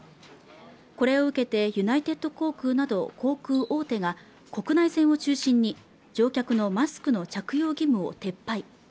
これを受けてユナイテッド航空など航空大手が国内線を中心に乗客のマスクの着用義務を撤廃